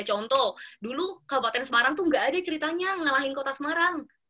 contoh dulu kabupaten semarang tuh nggak ada ceritanya ngalahin kota semarang